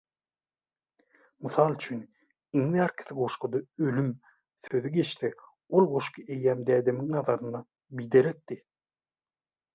Mysal üçin, iň bärkisi goşgyda “ölüm" sözi geçse ol goşgy eýýäm dädemiň nazarynda “biderekdi".